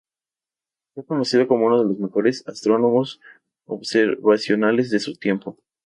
Fue conocido como uno de los mejores astrónomos observacionales de su tiempo.